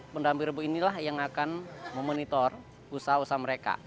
pendamping rebu inilah yang akan memonitor usaha usaha mereka